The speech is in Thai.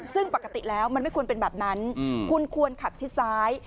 ซึ่งปกติแล้วมันไม่ควรเป็นแบบนั้นคุณควรขับชิดซ้าย